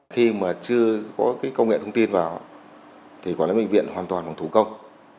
khi mà chưa có công nghệ thông tin vào thì quản lý bệnh viện hoàn toàn bằng thủ công